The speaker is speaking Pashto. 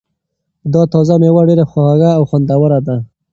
دا تازه مېوه ډېره خوږه او خوندوره ده.